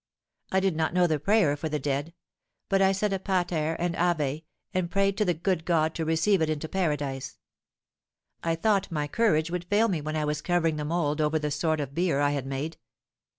I did not know the prayer for the dead; but I said a Pater and an Ave, and prayed to the good God to receive it into Paradise. I thought my courage would fail me when I was covering the mould over the sort of bier I had made.